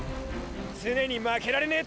常に負けられねェ